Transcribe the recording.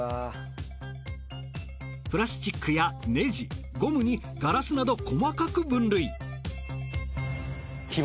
プラスチックやネジゴムにガラスなど細かく分類。